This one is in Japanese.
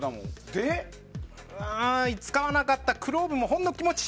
使わなかったクローブもほんの気持ち。